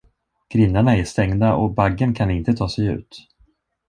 Grindarna är stängda och baggen kan inte ta sig ut.